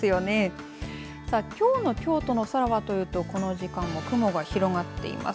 きょうの京都の空は、というとこの時間も雲が広がっています。